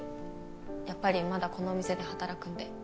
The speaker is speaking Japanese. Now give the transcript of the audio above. やっぱりまだこのお店で働くんで。